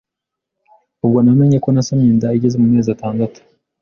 Ubwo namenye ko nasamye inda igeze mu mezi atandatu